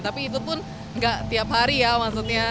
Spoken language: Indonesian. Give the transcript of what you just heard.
tapi itu pun enggak tiap hari ya maksudnya